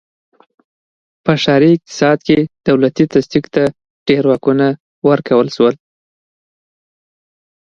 په ښاري اقتصاد کې دولتي تصدیو ته ډېر واکونه ورکړل شول.